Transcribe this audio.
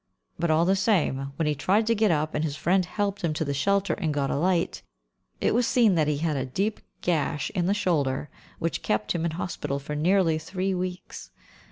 But, all the same, when he tried to get up, and his friend helped him to the shelter and got a light, it was seen that he had a deep gash in the shoulder, which kept him in hospital for nearly three weeks.